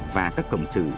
và các cộng sự